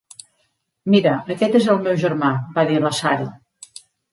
"Mira, aquest és el meu germà", va dir la Sarah.